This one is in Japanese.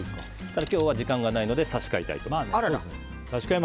ただ、今日は時間がないので差し替えたいと思います。